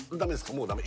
もうダメ？